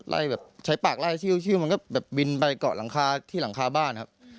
แบบใช้ปากไล่ชิวมันก็แบบบินไปเกาะหลังคาที่หลังคาบ้านครับ